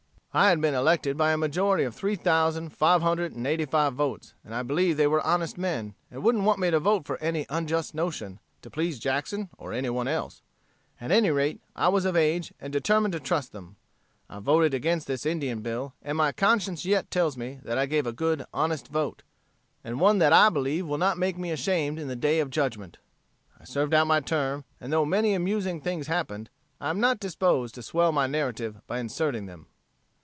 "I had been elected by a majority of three thousand five hundred and eighty five votes, and I believed they were honest men, and wouldn't want me to vote for any unjust notion, to please Jackson or any one else; at any rate, I was of age, and determined to trust them. I voted against this Indian bill, and my conscience yet tells me that I gave a good, honest vote, and one that I believe will not make me ashamed in the day of judgment. I served out my term, and though many amusing, things happened, I am not disposed to swell my narrative by inserting them.